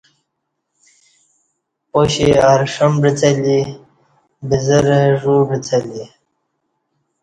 پاشی ارݜم بعڅہ لی بزہ رہ ژ و بعڅلی